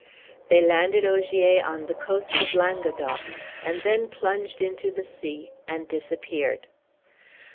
They landed Ogier on the coast of Languedoc, and then plunged into the sea and disappeared.